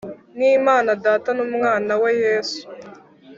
N'Imana Data n'Umwana we Yesu.